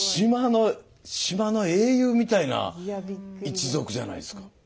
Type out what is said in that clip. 島の英雄みたいな一族じゃないですか。